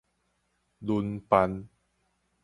輪辦